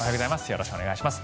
よろしくお願いします。